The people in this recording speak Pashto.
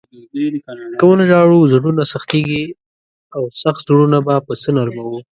که و نه ژاړو، زړونه سختېږي او سخت زړونه به په څه نرموو؟